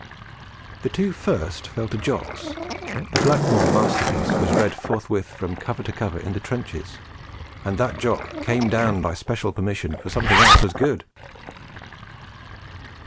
The two first fell to Jocks; the Blackmore masterpiece was read forthwith from cover to cover in the trenches, and that Jock came down by special permission for something else as good!